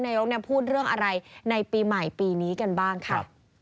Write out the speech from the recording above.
พูดเรื่องอะไรในปีใหม่ปีนี้กันบ้างค่ะ